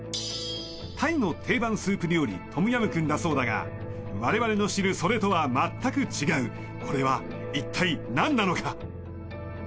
タイの定番スープ料理トムヤムクンだそうだが我々の知るそれとは全く違うこれはいったいなんなのか？